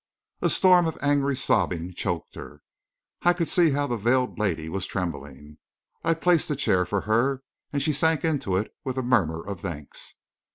A storm of angry sobbing choked her. I could see how the veiled lady was trembling. I placed a chair for her, and she sank into it with a murmur of thanks.